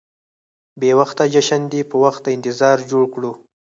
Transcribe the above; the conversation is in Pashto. بې وخته جشن دې په وخت د انتظار جوړ کړو.